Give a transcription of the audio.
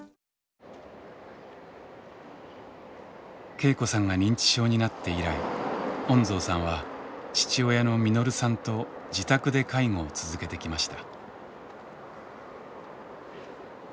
恵子さんが認知症になって以来恩蔵さんは父親の實さんと自宅で介護を続けてきました。